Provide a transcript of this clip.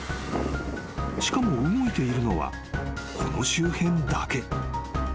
［しかも動いているのはこの周辺だけ］